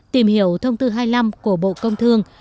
tìm hiểu thông tư hai mươi năm của bộ công thương